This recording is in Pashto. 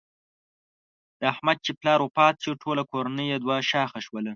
د احمد چې پلار وفات شو ټوله کورنۍ یې دوه شاخه شوله.